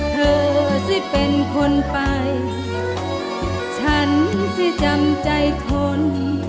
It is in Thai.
เธอสิเป็นคนไปฉันสิจำใจทน